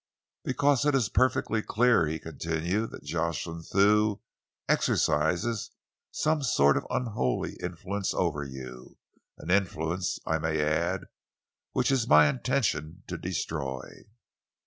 "Because it is perfectly clear," he continued, "that Jocelyn Thew exercises some sort of unholy influence over you, an influence, I may add, which it is my intention to destroy."